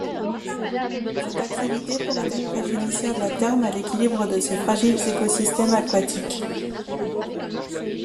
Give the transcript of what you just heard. Cette activité pourrait être préjudiciable à terme à l’équilibre de ces fragiles écosystèmes aquatiques.